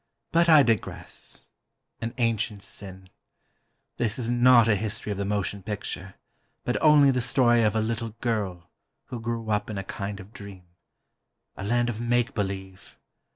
But I digress—an ancient sin. This is not a history of the motion picture, but only the story of a little girl, who grew up in a kind of dream ... a land of make believe